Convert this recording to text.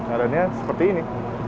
adanya seperti ini